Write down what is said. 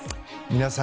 皆さん